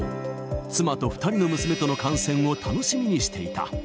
妻と２人の娘との観戦を楽しみにしていた。